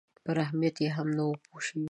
پر اهمیت یې هم نه وي پوه شوي.